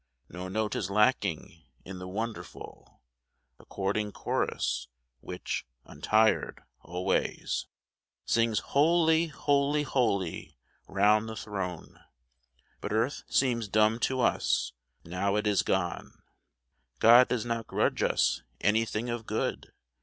No note is lacking in the wonderful According chorus, which, untired, always HER VOICE. 91 Sings, " Holy, holy, holy !" round the throne ; But earth seems dumb to us now it is gone ! God does not grudge us anything of good